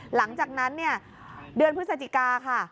หลังจากนั้นเนี่ยเดือนพฤศจิกาค่ะ